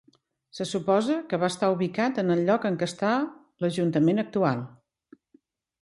Se suposa que va estar ubicat en el lloc en què està l'Ajuntament actual.